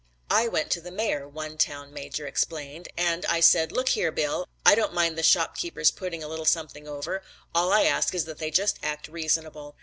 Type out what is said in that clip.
"I went to the mayor," one town major explained, "and I said, 'Look here, Bill, I don't mind 'the shopkeepers putting a little something over. All I ask is that they just act reasonable.